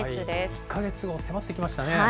１か月後、迫ってきましたね。